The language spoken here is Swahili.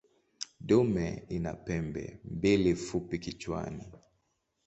Dume ina pembe mbili fupi kichwani.